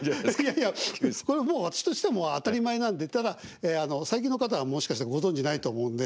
いやいやこれもう私としてもう当たり前なんでただ最近の方はもしかしてご存じないと思うんで。